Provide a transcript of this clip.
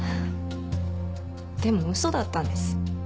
でも嘘だったんです。